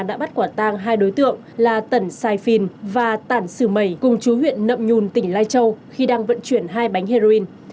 đã bắt quả tang hai đối tượng là tần sai phin và tản sử mầy cùng chú huyện đậm nhùn tỉnh lai châu khi đang vận chuyển hai bánh heroin